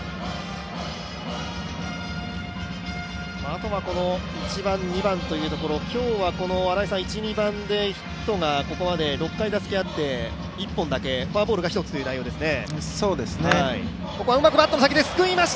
あとは１番、２番というところ、今日は１・２番で、ヒットが６回打席があって１本だけ、フォアボールが１つという内容ですね。